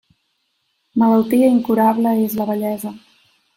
Malaltia incurable és la vellesa.